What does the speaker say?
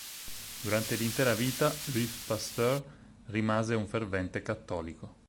Durante l'intera vita Louis Pasteur rimase un fervente cattolico.